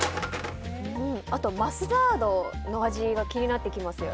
マスタードの味が気になってきますよね。